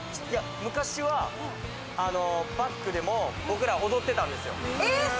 昔はバックでも僕ら、踊ってたんですよ。